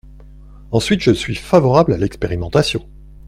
Ensuite, je suis favorable à l’expérimentation.